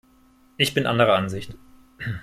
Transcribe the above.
Ich bin anderer Ansicht.